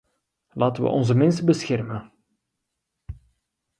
Laten we onze mensen beschermen.